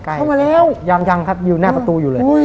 เข้ามาแล้วยังครับอยู่หน้าประตูอยู่เลย